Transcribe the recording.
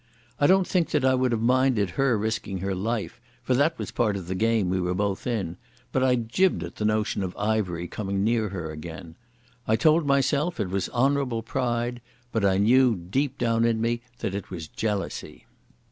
I don't think that I would have minded her risking her life, for that was part of the game we were both in, but I jibbed at the notion of Ivery coming near her again. I told myself it was honourable pride, but I knew deep down in me that it was jealousy.